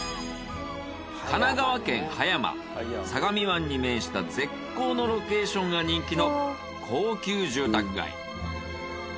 相模湾に面した絶好のロケーションが人気の高級住宅街。